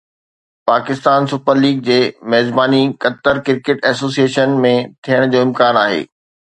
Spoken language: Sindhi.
پاڪستان سپر ليگ جي ميزباني قطر ڪرڪيٽ ايسوسي ايشن ۾ ٿيڻ جو امڪان آهي